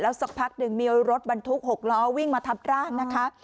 สักพักหนึ่งมีรถบรรทุก๖ล้อวิ่งมาทับร่างนะคะ